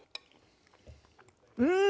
うん！